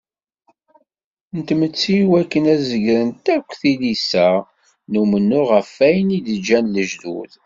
N tmetti iwakken ad zegrent akk tilisa n umennuɣ ɣef wayen i d-ǧǧan lejdud.